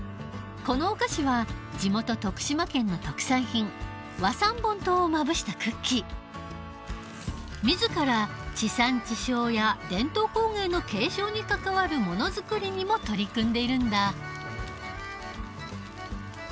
このお菓子は地元徳島県の特産品自ら地産地消や伝統工芸の継承に関わるものづくりにも取り組んでいるんだ。